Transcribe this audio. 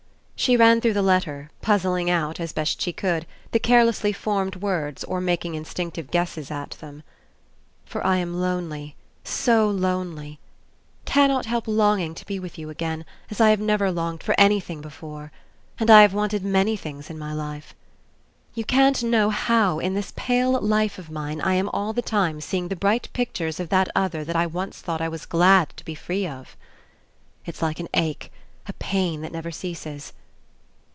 She ran through the letter, puzzling out, as best she could, the carelessly formed words or making instinctive guesses at them. "... For I am lonely, so lonely ... cannot help longing to be with you again, as I have never longed for anything before; and I have wanted many things in my life. ... You can't know how in this pale life of mine I am all the time seeing the bright pictures of that other that I once thought I was glad to be free of. ... It's like an ache, a pain that never ceases.